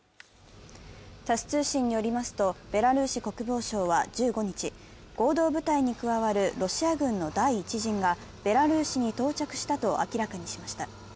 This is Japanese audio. タス通信によりますと、ベラルーシ国防省は１５日、合同部隊に加わるロシア軍の第一陣がベラルーシに到着したと明らかにしました。